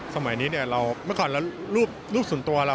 สมัยนี้เราไม่ก่อนแล้วรูปส่วนตัวเรา